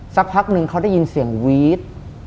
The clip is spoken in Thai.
สักพักนึงเขาได้ยินเสียงวีด